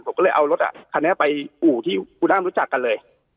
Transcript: ผมก็เลยเอารถคันนี้ไปอู่ที่อูด้ามรู้จักกันเลย